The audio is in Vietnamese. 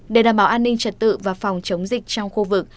để đảm bảo an ninh trật tự và phòng chống dịch trong khu vực